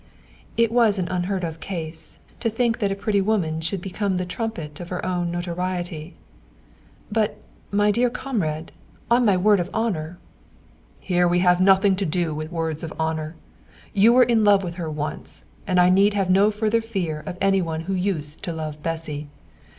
(It was an unheard of case. To think that a pretty woman should become the trumpet of her own notoriety!) "But, my dear comrade, on my word of honour ..." "Here we have nothing to do with words of honour. You were in love with her once, and I need have no further fear of any one who used to love Bessy.